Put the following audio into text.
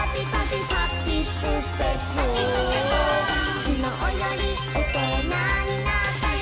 「きのうよりおとなになったよ」